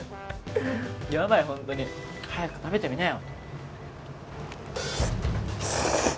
やばい、本当に早く食べてみなよ。